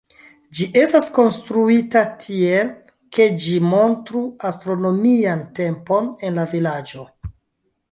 Ĝi estas konstruita tiel, ke ĝi montru astronomian tempon en la vilaĝo.